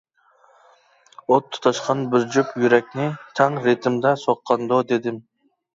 ئوت تۇتاشقان بىر جۈپ يۈرەكنى، تەڭ رىتىمدا سوققاندۇ دېدىم.